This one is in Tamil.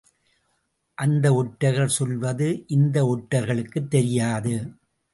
அந்த ஒற்றர்கள் செல்வது இந்த ஒற்றர்களுக்குத் தெரியாது.